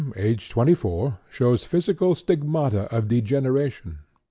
aged 24, shows physical stigmata of degeneration.